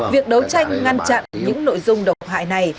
việc đấu tranh ngăn chặn những nội dung độc hại này